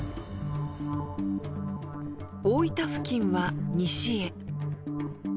大分付近は西へ。